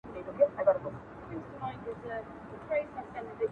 ما دفن کړه د دې کلي هدیره کي،